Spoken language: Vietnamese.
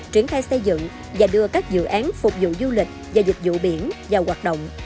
triển khai xây dựng và đưa các dự án phục vụ du lịch và dịch vụ biển vào hoạt động